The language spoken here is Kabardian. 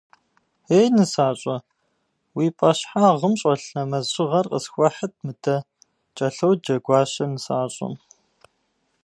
Ей нысащӏэ, си пӏэщхьагъым щӏэлъ нэмэз щыгъэр къысхуэхьыт мыдэ, — кӏэлъоджэ Гуащэ нысащӏэм.